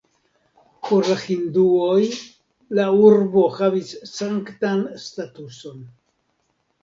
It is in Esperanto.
Por la hinduoj la urbo havis sanktan statuson.